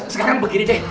sekarang begini deh